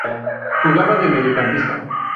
Jugaba de Mediocampista.